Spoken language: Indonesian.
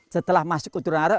setelah masuk keturunan arab